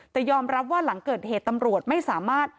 แต่ยอมรับว่าหลังเกิดเหตุตำรวจไม่สามารถ